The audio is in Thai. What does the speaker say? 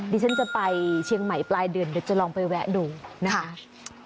ดิฉันจะไปเชียงใหม่ปลายเดือนเดี๋ยวจะลองไปแวะดูนะคะ